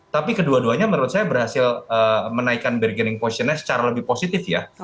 tapi kedua duanya menurut saya berhasil menaikkan bergening positionnya secara lebih positif ya